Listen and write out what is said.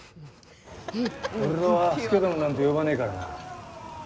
俺は佐殿なんて呼ばねえからな。